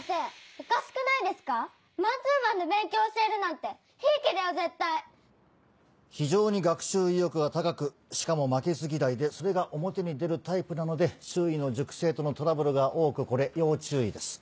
おかしくないマンツーマンで勉強教えるなんてひいき非常に学習意欲が高くしかも負けず嫌いでそれが表に出るタイプなので周囲の塾生とのトラブルが多くこれ要注意です。